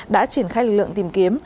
đã triển khai lực lượng tìm kiếm